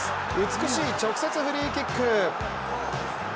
美しい直接フリーキック。